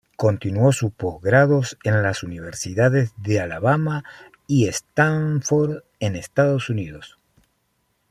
Continuó sus posgrados en las universidades de Alabama y Stanford en Estados Unidos.